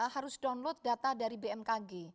harus download data dari bmkg